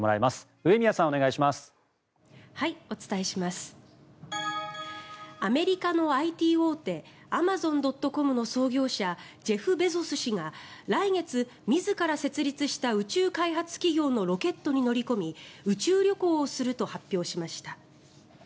アメリカのＩＴ大手アマゾン・ドット・コムの創業者ジェフ・ベゾス氏が来月、自ら設立した宇宙開発企業のロケットに乗り込み宇宙旅行をすると発表しました。